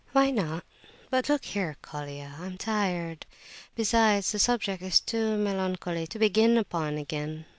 "Why not? But look here, Colia, I'm tired; besides, the subject is too melancholy to begin upon again.